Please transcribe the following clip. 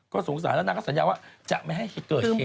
ก็สงสารแล้วนางก็สัญญาว่าจะไม่ให้เกิดเหตุ